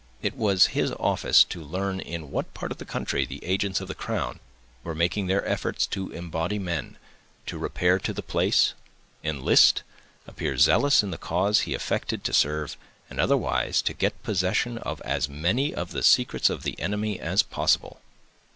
It was his office to learn in what part of the country the agents of the crown were making their efforts to embody men, to repair to the place, enlist, appear zealous in the cause he affected to serve, and otherwise to get possession of as many of the secrets of the enemy as possible.